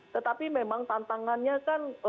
tetapi memang tantangannya kan